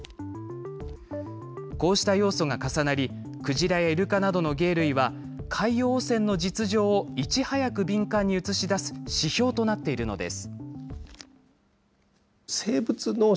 こうした要素が重なり、クジラやイルカなどの鯨類は、海洋汚染の実情をいち早く敏感に映し出す指標となっているのです。